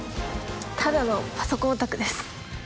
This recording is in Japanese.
ただのパソコンオタクです